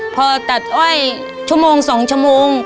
พอตัดอ้อยชั่วโมง๒ชั่วโมง